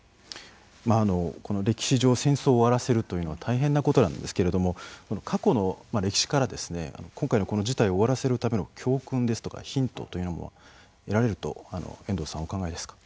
歴史上戦争を終わらせるということは大変なことなんですけれども過去の歴史から今回のこの事態を終わらせるための教訓ですとかヒントというものは得られると遠藤さん、お考えですか？